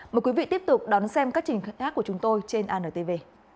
mời quý vị tiếp tục đón xem các trình khai hát của chúng tôi trên antv